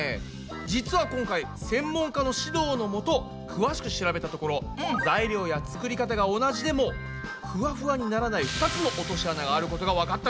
実は今回専門家の指導のもと詳しく調べたところ材料や作り方が同じでもふわふわにならない２つの落とし穴があることがわかったんです。